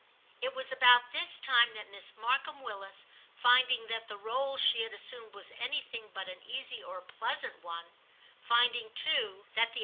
It was about this time that Miss Markham Willis, finding that the.r^/i? she had assumed was anything but an easy or pleasant one, finding too that the i 278 TIM CHAP.